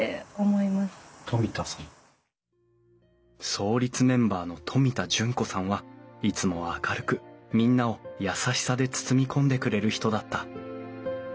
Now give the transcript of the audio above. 創立メンバーの冨田順子さんはいつも明るくみんなを優しさで包み込んでくれる人だった。